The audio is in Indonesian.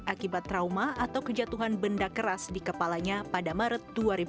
akibat trauma atau kejatuhan benda keras di kepalanya pada maret dua ribu dua puluh